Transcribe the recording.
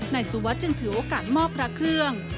สุวัสดิจึงถือโอกาสมอบพระเครื่อง